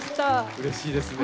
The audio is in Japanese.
うれしいですね。